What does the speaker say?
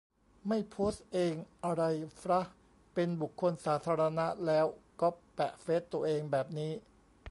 ไม่โพสเองอะไรฟระ ? เป็นบุคคลสาธารณะแล้วก๊อปแปะเฟสตัวเองแบบนี้